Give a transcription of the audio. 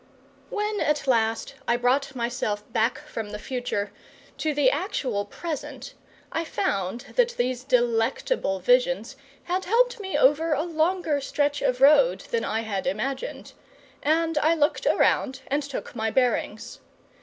When at last I brought myself back from the future to the actual present, I found that these delectable visions had helped me over a longer stretch of road than I had imagined; and I looked around and took my bearings.